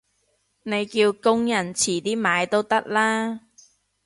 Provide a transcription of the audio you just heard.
你叫工人遲啲買都得啦